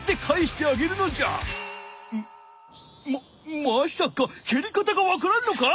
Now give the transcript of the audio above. ままさかけり方がわからんのか？